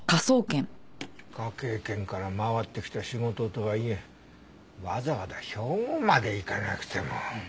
科警研から回ってきた仕事とはいえわざわざ兵庫まで行かなくても。